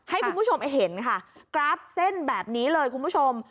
ให้คุณผู้ชมเห็นค่ะกราฟเส้นแบบนี้เลยคุณผู้ชม